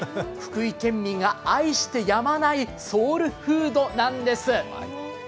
福井県民が愛してやまないソウルフードなんです。